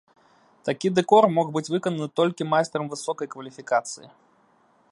Такі дэкор мог быць выкананы толькі майстрам высокай кваліфікацыі.